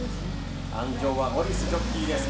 鞍上はモリスジョッキーです。